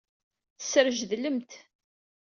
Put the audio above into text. Tesrejdlemt.